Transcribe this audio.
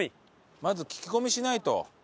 まず聞き込みしないと。